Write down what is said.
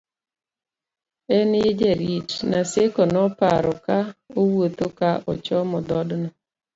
en ye jarit, Naseko noparo ka owuodho ka ochomo dhodno